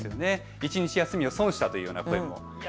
一日休みを損したというような声もありました。